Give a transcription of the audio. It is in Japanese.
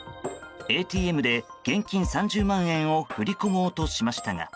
ＡＴＭで現金３０万円を振り込もうとしましたが